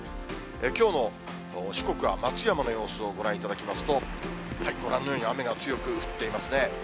きょうの四国は松山の様子をご覧いただきますと、ご覧のように雨が強く降っていますね。